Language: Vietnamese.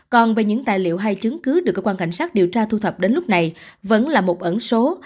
còn về những tài liệu hay chứng cứ được cơ quan cảnh sát điều tra thu thập đến lúc này vẫn là một ẩn số